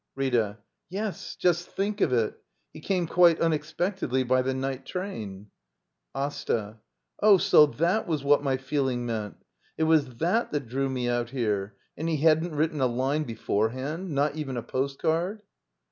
Rtta. Yes, just think of it! — he came quite unexpectedly by the night train. AsTA. Oh, so that was what my feeling meant! It was that thzt drew me out here! — And he hadn't written a line beforehand? Not even a post card?